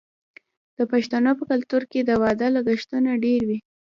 د پښتنو په کلتور کې د واده لګښتونه ډیر وي.